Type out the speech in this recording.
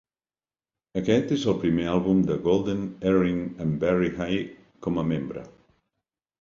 Aquest és el primer àlbum de Golden Earring amb Barry Hay com a membre.